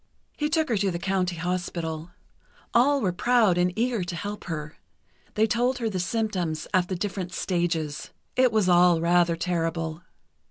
He took her to the County Hospital. All were proud and eager to help her. They told her the symptoms at the different stages. It was all rather terrible.